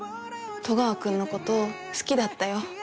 「戸川君のこと好きだったよ」